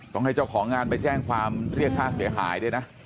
ต้องให้เจ้าของงานไปแจ้งความเรียกค่าเสียหายด้วยนะ